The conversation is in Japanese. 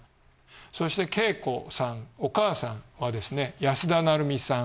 そして桂子さんお母さんはですね安田成美さん。